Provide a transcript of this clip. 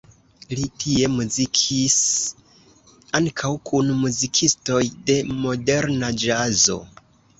Li tie muzikis ankaŭ kun muzikistoj de moderna ĵazo.